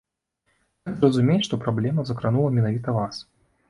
Як зразумець, што праблема закранула менавіта вас?